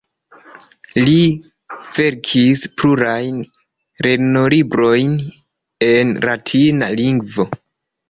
Li verkis plurajn lernolibrojn en latina lingvo.